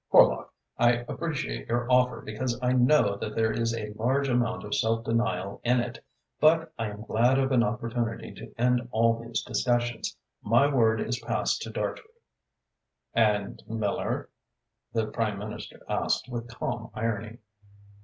"Horlock, I appreciate your offer because I know that there is a large amount of self denial in it, but I am glad of an opportunity to end all these discussions. My word is passed to Dartrey." "And Miller?" the Prime Minister asked, with calm irony.